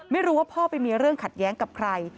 ไม่รู้ว่าพ่อไปมีเรื่องขัดแย้งกับใคร